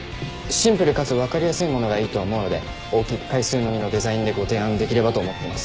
シンプルかつ分かりやすいものがいいと思うので大きく階数のみのデザインでご提案できればと思っています。